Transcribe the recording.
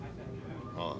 ああ。